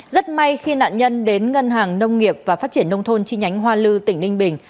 rất may khi nạn nhân đến ngân hàng nông nghiệp và phát triển nông thôn chi nhánh hoa lư tỉnh ninh bình